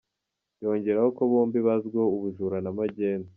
Yongeraho ko bombi bazwiho ubujura na magendu.